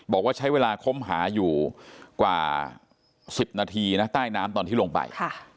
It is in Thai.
บอกว่าใช้เวลาค้นหาอยู่กว่า๑๐นาทีนะใต้น้ำตอนที่ลงไป